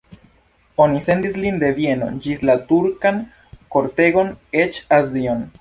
Oni sendis lin de Vieno ĝis la turkan kortegon, eĉ Azion.